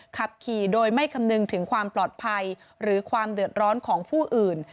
ขับขี่โดยไม่คำนึงถึงความปลอดภัยหรือความเดือดร้อนของผู้อื่น